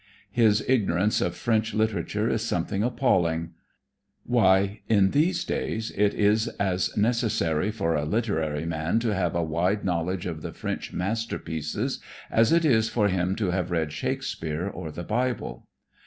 His ignorance of French literature is something appalling. Why, in these days it is as necessary for a literary man to have a wide knowledge of the French masterpieces as it is for him to have read Shakespeare or the Bible.